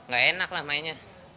gak enak lah mainnya